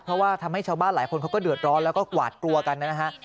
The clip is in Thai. เพราะว่าทำให้ชาวบ้านหลายคนเขาก็เดือดร้อนแล้วก็หวาดกลัวกันนะฮะ